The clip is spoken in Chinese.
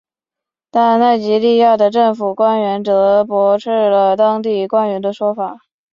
但奈及利亚的政府官员则驳斥了当地官员的说法。